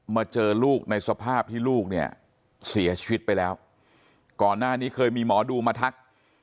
เจอลูกในสภาพที่ลูกเนี่ยเสียชีวิตไปแล้วก่อนหน้านี้เคยมีหมอดูมาทัก